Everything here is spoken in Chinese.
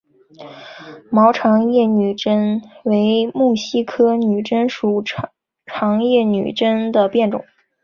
毛长叶女贞为木犀科女贞属长叶女贞的变种。